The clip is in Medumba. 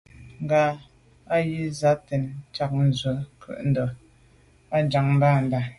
Ŋgá á gə́ jí zǎ tɛ̌n ják ndzwə́ ncúndá â ŋgàbándá.